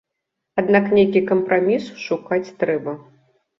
Аднак нейкі кампраміс шукаць трэба.